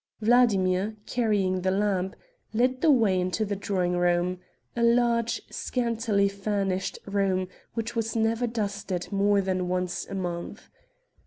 Vladimir, carrying the lamp, led the way into the drawing room, a large, scantily furnished room which was never dusted more than once a month.